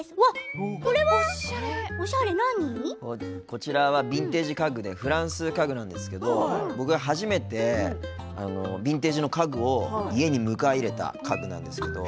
こちらはビンテージ家具でフランス家具なんですけど僕が初めてビンテージの家具を招き入れたものなんですけど。